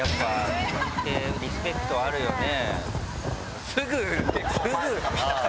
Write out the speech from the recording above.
リスペクトあるよね。